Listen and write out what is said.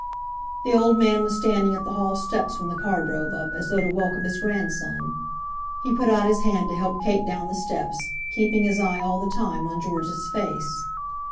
The old man was standing at the hall steps when the car drove up, as though to welcome his grandson. He put out his hand to help Kate down the steps, keeping his eye all the time on George's face.